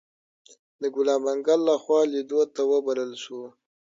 د ګلاب منګل لخوا لیدو ته وبلل شوو.